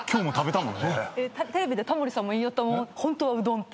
テレビでタモリさんも言いよった「ホントはうどん」って。